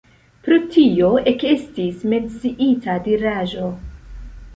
Pro tio ekestis menciita diraĵo.